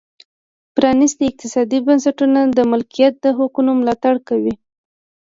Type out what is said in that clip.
پرانیستي اقتصادي بنسټونه د مالکیت د حقونو ملاتړ کوي.